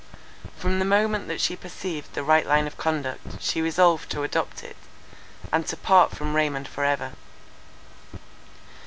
From the moment that she perceived the right line of conduct, she resolved to adopt it, and to part from Raymond for ever.